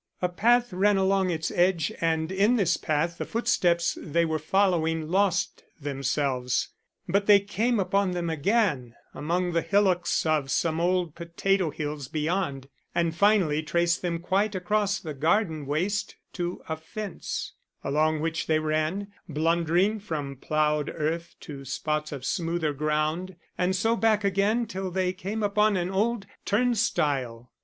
A path ran along its edge and in this path the footsteps they were following lost themselves; but they came upon them again among the hillocks of some old potato hills beyond, and finally traced them quite across the garden waste to a fence, along which they ran, blundering from ploughed earth to spots of smoother ground, and so back again till they came upon an old turn stile!